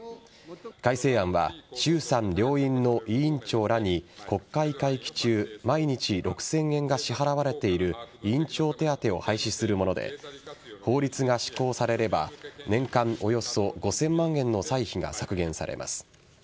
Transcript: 改正案は衆参両院の委員長らに国会会期中毎日６０００円が支払われている委員長手当を廃止するもので法律が施行されれば年間およそ５０００万円の歳費が削減されます。